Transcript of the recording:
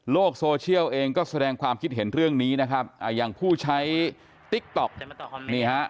โซเชียลเองก็แสดงความคิดเห็นเรื่องนี้นะครับอย่างผู้ใช้ติ๊กต๊อกนี่ฮะ